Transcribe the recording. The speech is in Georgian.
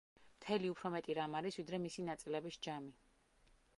მთელი უფრო მეტი რამ არის, ვიდრე მისი ნაწილების ჯამი.